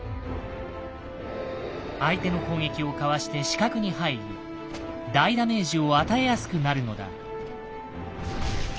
相手の攻撃をかわして死角に入り大ダメージを与えやすくなるのだ。